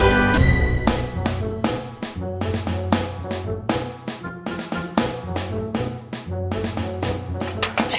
aduh aduh aduh